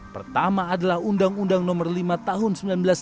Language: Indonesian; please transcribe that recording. pertama adalah undang undang nomor lima tahun seribu sembilan ratus sembilan puluh